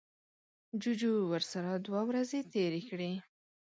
جوجو ورسره دوه ورځې تیرې کړې.